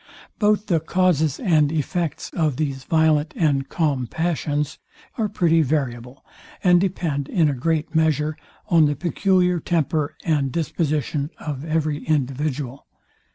Both the causes and effects of these violent and calm passions are pretty variable, and depend, in a great measure, on the peculiar temper and disposition of every individual.